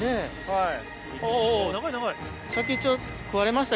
はい。